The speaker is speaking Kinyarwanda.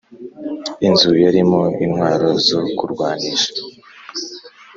inzu yarimo intwaro zo kurwanisha,